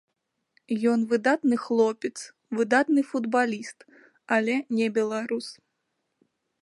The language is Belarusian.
Ён выдатны хлопец, выдатны футбаліст, але не беларус.